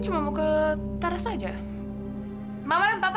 pertama kali saya marah papa